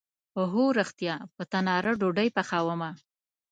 هو ریښتیا، په تناره ډوډۍ پخومه